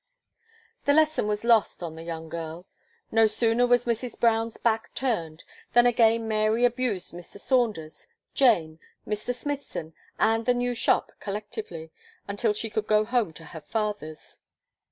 The lesson was lost on the young girl. No sooner was Mrs. Brown's back turned, than again Mary abused Mr. Saunders, Jane, Mr. Smithson and the new shop collectively, until she could go home to her father's.